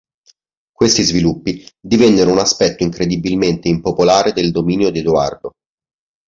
Questi sviluppi divennero un aspetto incredibilmente impopolare del dominio di Edoardo.